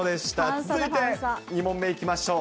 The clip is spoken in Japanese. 続いて２問目いきましょう。